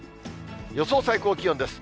予想最高気温です。